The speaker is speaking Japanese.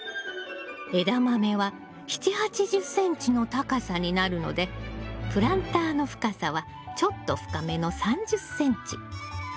エダマメは７０８０ｃｍの高さになるのでプランターの深さはちょっと深めの３０ｃｍ。